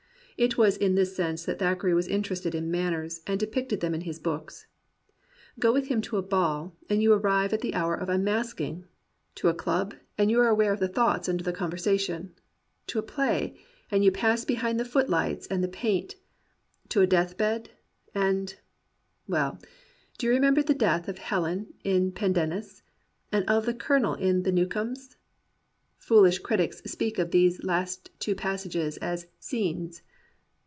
It was in this sense that Thackeray was interested in manners, and depicted them in his books. Go with him to a ball, and you arrive at the hour of 112 THACKERAY AND REAL MEN unmasking; to a club, and you are aware of the thoughts under the conversation; to a play, and you pass behind the footlights and the paint; to a death bed, and — ^well, do you remember the death of Helen in Pendennis ? and of the Colonel in The Newcomes ? Foolish critics speak of these last two passages as "scenes."